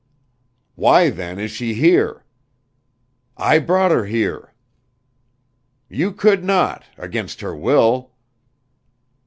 "Why then is she here?" "I brought her here." "You could not against her will."